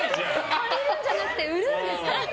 借りるじゃなくて売るんですか？